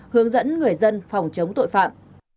hướng dẫn người dân phòng chống tội phạm